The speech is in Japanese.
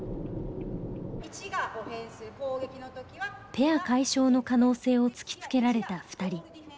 ペア解消の可能性を突きつけられた２人。